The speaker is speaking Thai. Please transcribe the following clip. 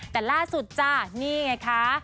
แต่ล่าสุดจ้ะนี่ไงคะ